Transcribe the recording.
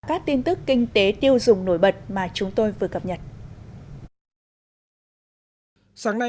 các tin tức kinh tế tiêu dùng nổi bật mà chúng tôi vừa cập nhật